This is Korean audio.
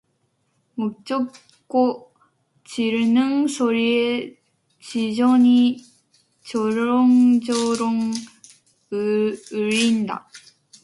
목청껏 지르는 소리에 지정이 저렁저렁 울린다.